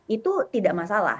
itu tidak masalah